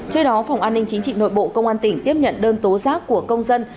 trước đó phòng an ninh chính trị nội bộ công an tỉnh tiếp nhận đơn tố giác của công dân